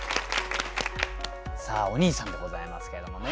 さあおにいさんでございますけれどもね。